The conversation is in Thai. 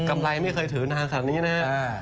กำไรไม่เคยถือนานฐานนี้นะฮะ